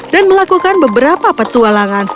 dan melakukan beberapa petualangan